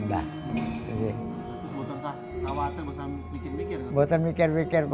bukan hanya berpikir pikir saja